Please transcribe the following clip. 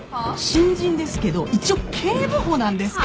新人ですけど一応警部補なんですけど。は？